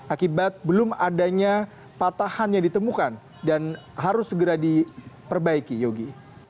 akibat belum adanya patahan yang ditemukan dan harus segera diperbaiki yogi